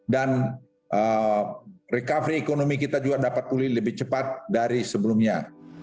dan recovery ekonomi kita juga dapat pulih lebih cepat dari sebelumnya